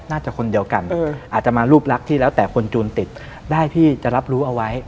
น่าจะคนเดียวกันอาจจะมารูปลักษณ์ที่แล้วแต่คนจูนติดได้พี่จะรับรู้เอาไว้